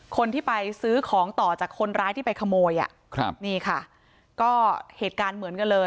คนที่ไปซื้อของต่อจากคนร้ายที่ไปขโมยอ่ะครับนี่ค่ะก็เหตุการณ์เหมือนกันเลย